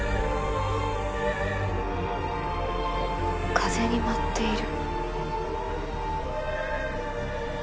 風に舞っている？